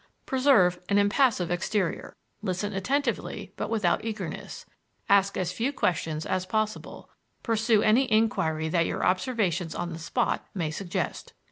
Preserve an impassive exterior: listen attentively but without eagerness; ask as few questions as possible; pursue any inquiry that your observations on the spot may suggest."